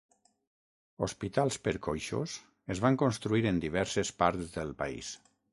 Hospitals per coixos es van construir en diverses parts del país.